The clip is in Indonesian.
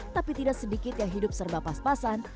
tapi tidak sedikit yang hidup serba pas pasan